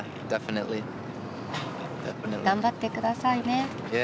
頑張って下さいね。